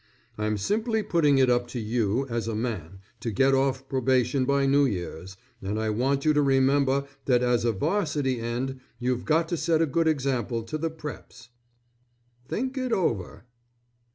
I'm simply putting it up to you as a man to get off probation by New Year's, and I want you to remember that as a 'varsity' end you've got to set a good example to the "preps." Think it over.